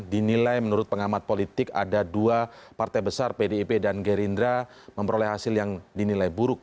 dinilai menurut pengamat politik ada dua partai besar pdip dan gerindra memperoleh hasil yang dinilai buruk